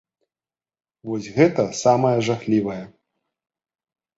Вось гэта самае жахлівае.